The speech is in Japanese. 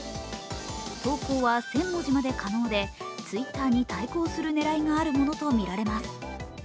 投稿は１０００文字まで可能でＴｗｉｔｔｅｒに対抗する狙いがあるものとみられます。